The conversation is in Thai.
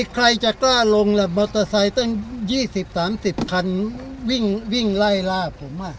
ใครจะกล้าลงล่ะมอเตอร์ไซค์ตั้ง๒๐๓๐คันวิ่งไล่ล่าผม